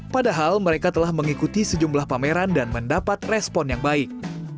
padahal mereka telah mengikuti sejumlah pameran dan mendapat respon yang baik